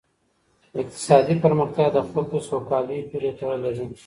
اقتصادي پرمختیا د خلګو سوکالۍ پوري تړلې ده.